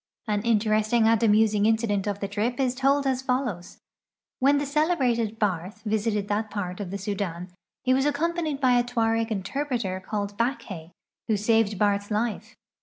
An interesting and amusing incident of the trip is tolil as follows: When the celebrated Barth visited that pait of the Sudan he was ac companied by a Tuareg interpreter called Backhay, who saved Baith's life.